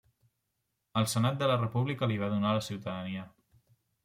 El senat de la república li va donar la ciutadania.